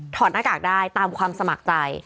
หน้ากากได้ตามความสมัครใจ